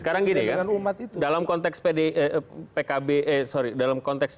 sekarang gini dalam konteks